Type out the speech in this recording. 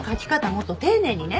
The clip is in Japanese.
もっと丁寧にね。